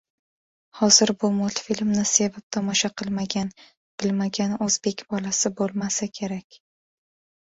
Hozir bu multfilmni sevib tomosha qilmagan, bilmagan o‘zbek bolasi bo‘lmasa kerak.